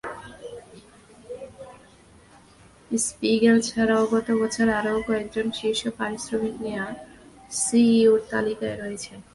Spiegel ছাড়াও গত বছর আরও কয়েকজন শীর্ষ পারিশ্রমিক নেওয়া সিইওর তালিকায় রয়েছেন।